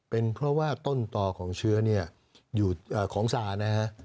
เป็นเพราะว่าต้นต่อของเชื้อเนี่ยอยู่ของซานะฮะ